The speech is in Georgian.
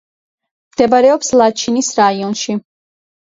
მდებარეობს ლაჩინის რაიონში.